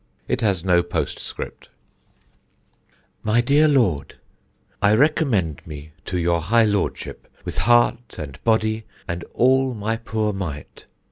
(It has no postscript.) My dear Lord, I recommend me to your high Lordship, with heart and body and all my poor might.